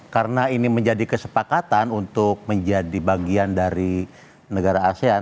karena ini menjadi kesepakatan untuk menjadi bagian dari negara asean